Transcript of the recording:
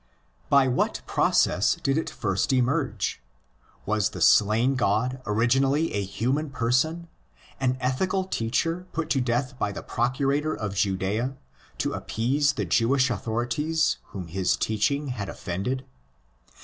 By what process did it first emerge? Was the slain god originally a human person, an ethical teacher put to death by the Procurator of Judea to appease the Jewish authorities whom his teaching had offended